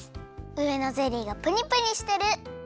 うえのゼリーがプニプニしてる。